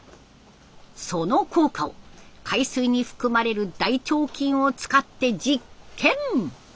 その効果を海水に含まれる大腸菌を使って実験。